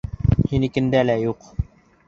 Һинекендә лә юҡ.